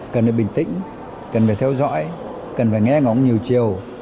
cần phải bình tĩnh cần phải theo dõi cần phải nghe ngóng nhiều chiều